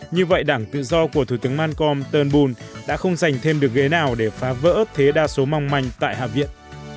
như vậy đảng tự do của thủ tướng malcolm turnbull đã không giành thêm được ghế nào để phá vỡ ớt thế đa số mong manh tại hạ viện